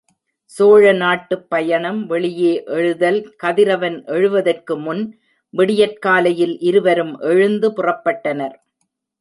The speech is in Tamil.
சோழ நாட்டுப் பயணம் வெளியே எழுதல் கதிரவன் எழுவதற்கு முன் விடியற்காலையில் இருவரும் எழுந்து புறப்பட்டனர்.